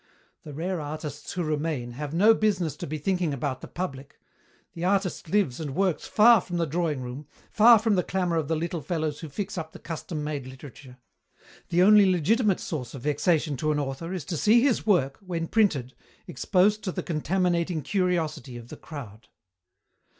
The rare artists who remain have no business to be thinking about the public. The artist lives and works far from the drawing room, far from the clamour of the little fellows who fix up the custom made literature. The only legitimate source of vexation to an author is to see his work, when printed, exposed to the contaminating curiosity of the crowd."